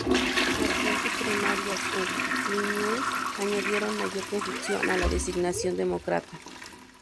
Las siguientes primarias, en Illinois, añadieron mayor confusión a la designación demócrata.